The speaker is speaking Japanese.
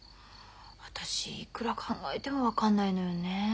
私いくら考えても分かんないのよね。